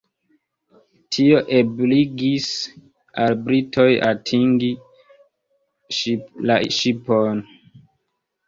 Tio ebligis al britoj atingi la ŝipon.